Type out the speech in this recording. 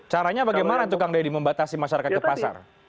caranya bagaimana tukang deddy membatasi masyarakat ke pasar